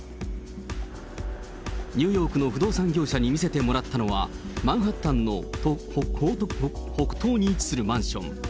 ニューヨークの不動産業者に見せてもらったのは、マンハッタンの北東に位置するマンション。